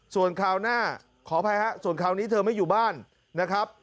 ส่วนคราวหน้าขออภัยฮะส่วนคราวนี้เธอไม่อยู่บ้านนะครับ